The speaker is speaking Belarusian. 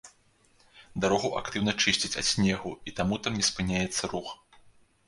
Дарогу актыўна чысцяць ад снегу і таму там не спыняецца рух.